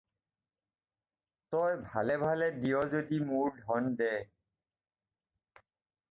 তই ভালে ভালে দিয় যদি মোৰ ধন দে।